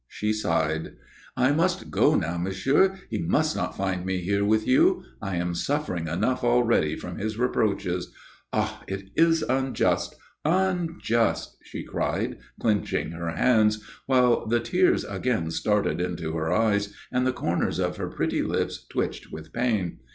She sighed. "I must go now, monsieur. He must not find me here with you. I am suffering enough already from his reproaches. Ah! it is unjust unjust!" she cried, clenching her hands, while the tears again started into her eyes, and the corners of her pretty lips twitched with pain.